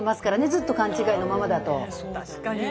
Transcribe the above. ずっと勘違いのままだと。